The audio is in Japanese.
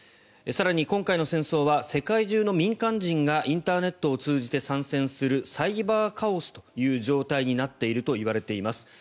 更に、今回の戦争は世界中の民間人がインターネットを通じて参戦するサイバーカオスという状態になっているといわれています。